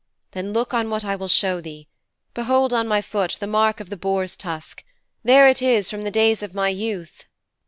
Then look on what I will show thee. Behold on my foot the mark of the boar's tusk there it is from the days of my youth.'